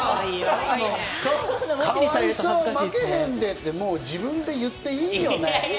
かわいさは負けへんでって自分で言っていいよね。